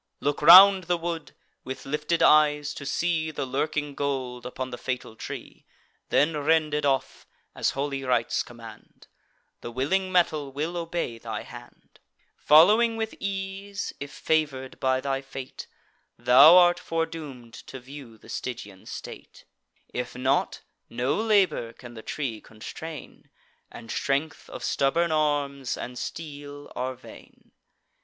Look round the wood, with lifted eyes, to see The lurking gold upon the fatal tree: Then rend it off, as holy rites command; The willing metal will obey thy hand, Following with ease, if favour'd by thy fate, Thou art foredoom'd to view the Stygian state: If not, no labour can the tree constrain; And strength of stubborn arms and steel are vain.